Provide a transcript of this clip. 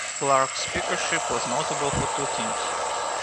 Clark's Speakership was notable for two things.